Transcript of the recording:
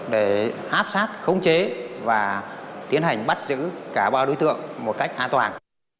để áp sát khống chế và tiến hành bắt giữ cả ba đối tượng một cách an toàn